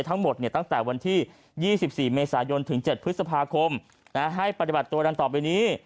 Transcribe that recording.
ตั้งแต่วันที่๒๔เมษายนถึง๗พฤษภาคมให้ปฏิบัติตัวดังต่อไปนี้